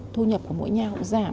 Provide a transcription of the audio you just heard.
thu nhập của mỗi nhà cũng giảm